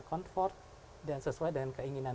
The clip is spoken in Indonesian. confort dan sesuai dengan keinginan